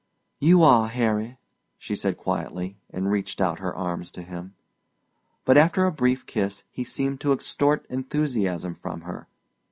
"You are, Harry," she said quietly, and reached out her arms to him. But after a brief kiss he seemed to extort enthusiasm from her.